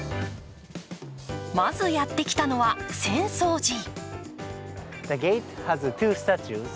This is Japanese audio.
まず、やってきたのは浅草寺。